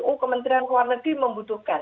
oh kementerian luar negeri membutuhkan